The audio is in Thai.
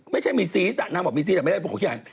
ไม่ใช่มีซีสนางบอกมีซีสแต่ไม่ได้บอกยาย